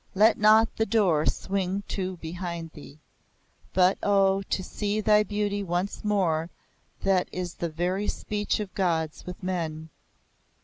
Let not the door swing to behind thee. But oh, to see thy beauty once more that is the very speech of Gods with men!